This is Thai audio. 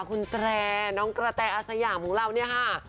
คุณแตรน้องกระแตอาสยามของเราเนี่ยค่ะ